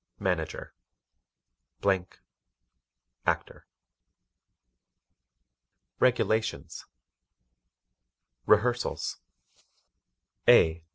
MANAGER ACTOR REGULATIONS Rehearsals A.